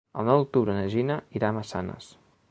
El nou d'octubre na Gina irà a Massanes.